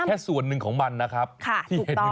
แค่ส่วนหนึ่งของมันนะครับใช่ถูกต้อง